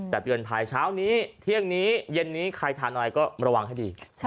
แต่เตือนภัยเช้านี้เที่ยงนี้เย็นนี้ใครทานอะไรก็ระวังให้ดี